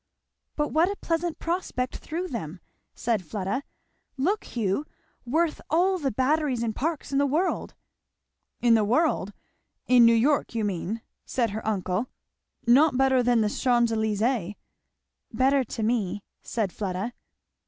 "But what a pleasant prospect through them," said Fleda, "look, Hugh! worth all the Batteries and Parks in the world." "In the world! in New York you mean," said her uncle. "Not better than the Champs Elysées?" "Better to me," said Fleda.